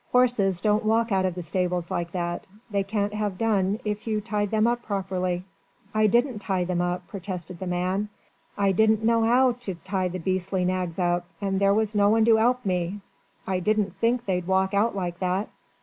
"Horses don't walk out of the stables like that. They can't have done if you tied them up properly." "I didn't tie them up," protested the man. "I didn't know 'ow to tie the beastly nags up, and there was no one to 'elp me. I didn't think they'd walk out like that."